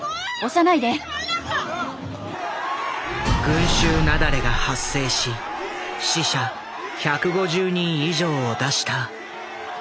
群集雪崩が発生し死者１５０人以上を出したイテウォン事故。